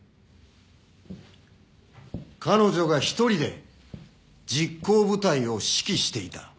彼女が１人で実行部隊を指揮していた。